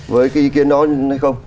với cái ý kiến đó hay không